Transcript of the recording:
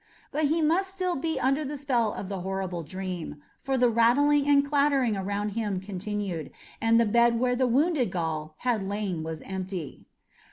But he must still be under the spell of the horrible dream, for the rattling and clattering around him continued, and the bed where the wounded Gaul had lain was empty.